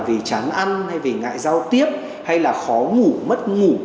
về chán ăn hay về ngại giao tiếp hay là khó ngủ mất ngủ